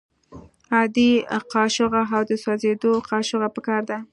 عادي قاشوغه او د سوځیدو قاشوغه پکار ده.